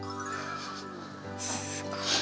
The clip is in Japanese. すごい！